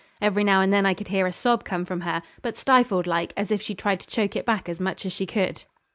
Every now and then I could hear a sob come from her, but stifled like, as if she tried to choke it back as much as she could.